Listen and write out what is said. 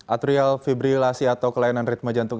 atrial fibrilasi atau kelainan ritme jantung